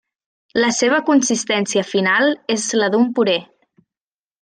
La seva consistència final és la d'un puré.